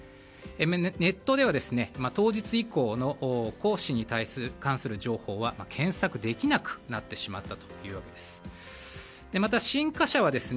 ネットでは当日以降の胡氏に対する情報は検索できなくなってしまったというわけです。